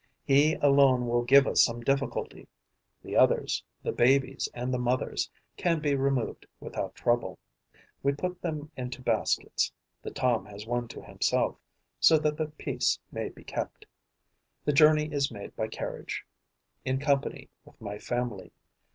He alone will give us some difficulty; the others, the babies and the mothers, can be removed without trouble. We put them into baskets. The Tom has one to himself, so that the peace may be kept. The journey is made by carriage, in company with my family.